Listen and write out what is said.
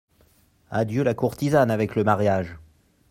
Adieu la courtisane avec le mariage !